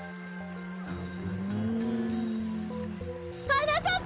はなかっ